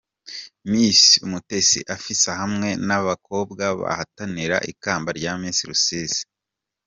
Miss Umutesi Afsa hamwe n'abakobwa bahataniraga ikamba rya Miss Rusizi.